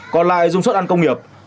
còn lại dung suất ăn công nghiệp